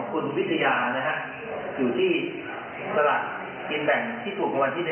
ก็ได้เชื่อว่าสลักบินแบ่งที่ถูกประวัติ